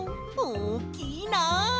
おおきいなあ。